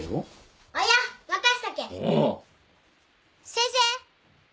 先生！